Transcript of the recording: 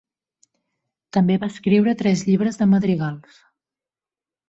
També va escriure tres llibres de madrigals.